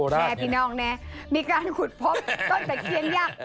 แม่พี่น้องแน่มีการขุดพบต้นตะเคียนยักษ์